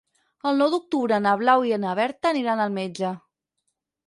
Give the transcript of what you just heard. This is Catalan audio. El nou d'octubre na Blau i na Berta aniran al metge.